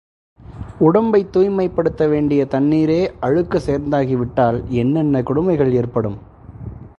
உடம்பைத் தூய்மைப்படுத்த வேண்டிய தண்ணீரே அழுக்குச் சேர்ந்தாகிவிட்டால் என்னென்ன கொடுமைகள் ஏற்படும்?